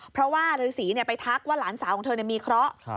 เพราะว่าฤษีไปทักว่าหลานสาวของเธอมีเคราะห์